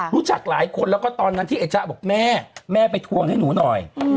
รู้จักหลายคนแล้วก็ตอนนั้นที่ไอ้จ๊ะบอกแม่แม่ไปทวงให้หนูหน่อย